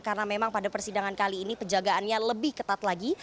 karena memang pada persidangan kali ini pejagaannya lebih ketat lagi